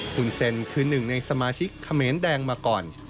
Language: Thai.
คุณเซ็นคือหนึ่งในสมาชิกเขมรแดงมาก่อน